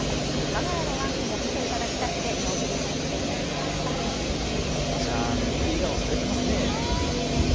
わが家のわんこも見ていただきたくてお送りさせていただきましたということです。